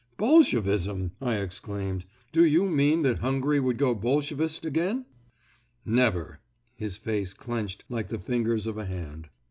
"Bolshevism!" I exclaimed. "Do you mean that Hungary would go Bolshevist again?" "Never," his face clenched like the fingers of a hand.